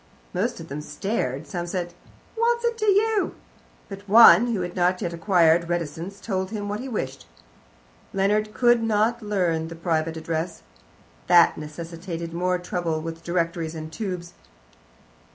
Most of them stared, some said, "What's that to you?" but one, who had not yet acquired reticence, told him what he wished. Leonard could not learn the private address. That necessitated more trouble with directories and tubes.